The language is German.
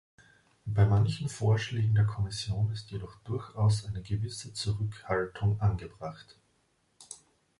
Bei manchen Vorschlägen der Kommission ist jedoch durchaus eine gewisse Zurückhaltung angebracht.